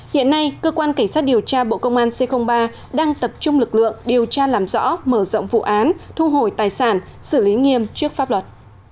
hiện nay cơ quan cảnh sát điều tra bộ công an c ba đang tập trung lực lượng điều tra làm rõ mở rộng vụ án thu hồi tài sản xử lý nghiêm trước pháp luật